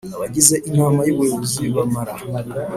abagize Inama y Ubuyobozi bamara